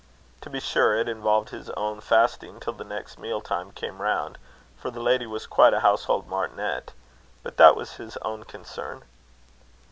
To be sure, it involved his own fasting till the next meal time came round for the lady was quite a household martinet; but that was his own concern.